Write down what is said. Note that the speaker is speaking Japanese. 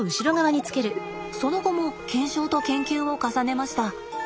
その後も検証と研究を重ねました。